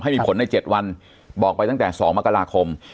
มีผลใน๗วันบอกไปตั้งแต่๒มกราคม